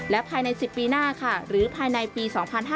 และภายใน๑๐ปีหน้าค่ะหรือภายในปี๒๕๕๙